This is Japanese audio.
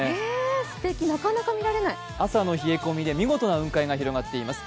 すてき、なかなか見られない朝の冷え込みで見事な雲海が広がっています。